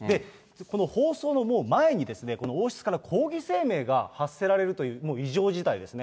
この放送の前に、この王室から抗議声明が発せられるという、異常事態ですね。